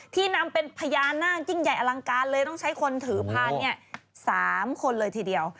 นำเป็นพญานาคยิ่งใหญ่อลังการเลยต้องใช้คนถือพาน๓คนเลยทีเดียว